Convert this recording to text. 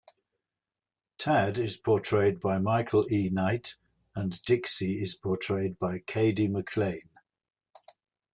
Tad is portrayed by Michael E. Knight, and Dixie is portrayed by Cady McClain.